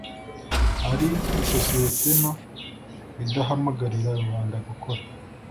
ari isosiyete nto idahamagarira rubanda gukora